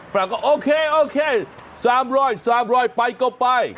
เราก็โอเคโอเค๓๐๐๓๐๐ไปก็ไป